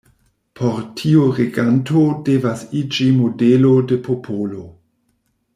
Por tio reganto devas iĝi modelo de popolo.